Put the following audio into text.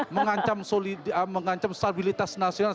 mengancam stabilitas nasional